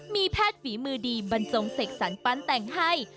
มีแพทย์ฝีมือดีบรรจงเสกสรรปั้นแต่งให้